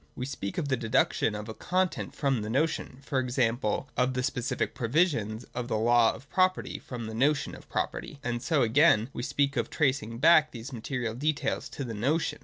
We speak of the deduction of a content from the notion, e.g. of the specific provisions of the law of property from the notion of property ; and so again we speak of tracing back these material details to the notion.